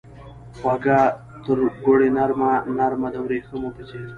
خوږه ترګوړې نرمه ، نرمه دوریښمو په څیر